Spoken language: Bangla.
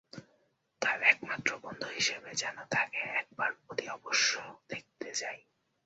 তার একমাত্র অন্তরঙ্গ বন্ধু হিসেবে যেন তাকে একবার অতি অবশ্য দেখতে যাই।